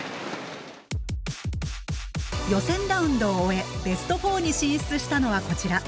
予選ラウンドを終えベスト４に進出したのはこちら。